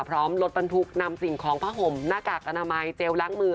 พร้อมรถบรรทุกนำสิ่งของผ้าห่มหน้ากากอนามัยเจลล้างมือ